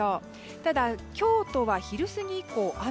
ただ、京都は昼過ぎ以降、雨。